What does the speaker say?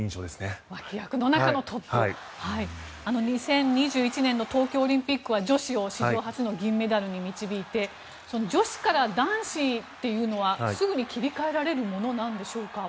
２０２１年の東京オリンピックは女子を史上初の銀メダルに導いて女子から男子というのはすぐに切り替えられるものでしょうか？